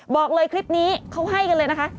บอกเลยคลิปนี้เขาให้กันเลยนะคะ